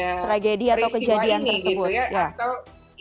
tragedi atau kejadian tersebut